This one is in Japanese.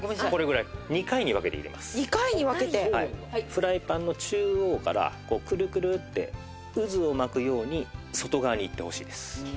フライパンの中央からクルクルって渦を巻くように外側にいってほしいです。